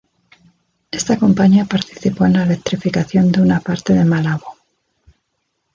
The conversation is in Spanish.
Esta compañía participó en la electrificación de una parte de Malabo.